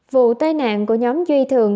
vụ tai nạn của nhóm duy thường